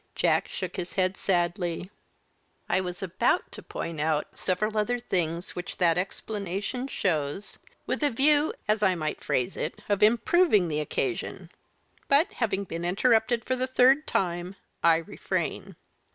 Jack shook his head sadly. "I was about to point out several other things which that explanation shows, with a view, as I might phrase it, of improving the occasion, but, having been interrupted for the third time, I refrain.